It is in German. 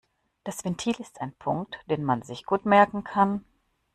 Das Ventil ist ein Punkt, den man sich gut merken kann.